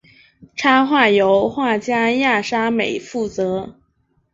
插画由画家亚沙美负责。